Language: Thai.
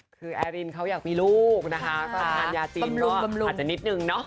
คือแอรินเขาอยากมีลูกนะคะก็ทานยาจีนอาจจะนิดนึงเนาะ